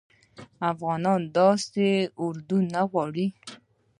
افغانان داسي اردوه نه غواړي